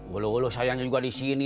ulu sayangnya juga di sini